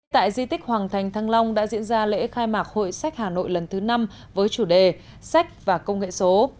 tại di tích hoàng thành thăng long đã diễn ra lễ khai mạc hội sách hà nội lần thứ năm với chủ đề sách và công nghệ số